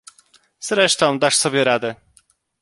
"Zresztą, dasz sobie radę."